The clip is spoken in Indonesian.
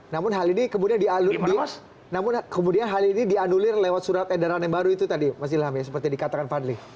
namun hal ini kemudian dianulir lewat surat edaran yang baru itu tadi mas ilham ya seperti dikatakan fadli